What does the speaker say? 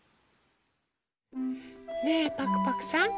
ねえパクパクさん。